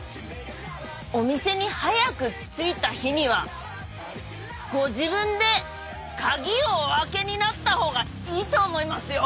お店に早く着いた日にはご自分で鍵をお開けになったほうがいいと思いますよ！